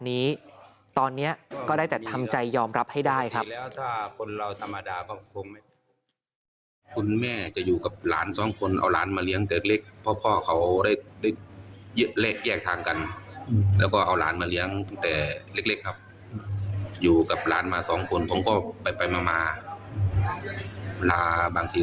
นี้ตอนนี้ก็ได้แต่ทำใจยอมรับให้ได้ครับ